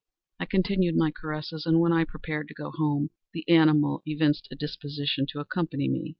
I continued my caresses, and, when I prepared to go home, the animal evinced a disposition to accompany me.